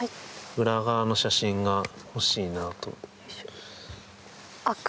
裏側の写真が欲しいなと。